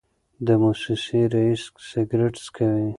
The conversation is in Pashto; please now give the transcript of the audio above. د موسسې رییس سګرټ څکوي.